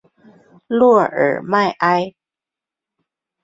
洛尔迈埃。